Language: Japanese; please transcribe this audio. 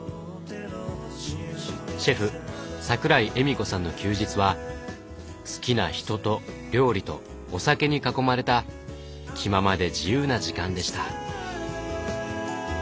シェフ桜井莞子さんの休日は好きな人と料理とお酒に囲まれた気ままで自由な時間でした。